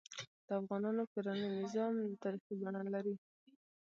د افغانانو کورنۍ نظام تاریخي بڼه لري.